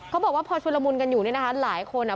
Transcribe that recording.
เขาบอกว่าพอชุดละมุนกันอยู่เนี่ยนะฮะ